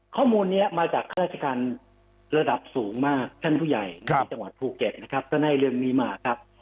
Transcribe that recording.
ข้อมูลนี้มาจากข้าราชการระดับสูงมากท่านผู้ใหญ่ในจังหวัดภูเก็ตนะครับก็ได้เรื่องนี้มาครับ